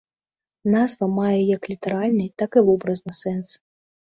Назва мае як літаральны, так і вобразны сэнс.